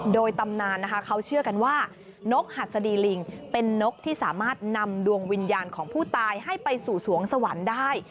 โดยตำนานนะคะเขาเชื่อกันว่านกหัสดีลิงเป็นนกที่สามารถนำดวงวิญญาณของผู้ตายให้ไปสู่สวงสวรรค์ได้